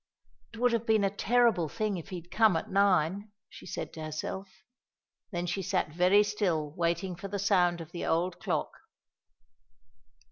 "It would have been a terrible thing if he had come at nine," she said to herself. Then she sat very still waiting for the sound of the old clock.